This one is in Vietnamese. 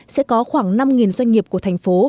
sẽ có khoảng năm doanh nghiệp của thành phố